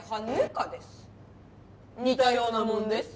似たようなもんです。